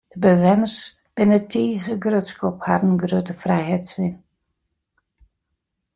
De bewenners binne tige grutsk op harren grutte frijheidssin.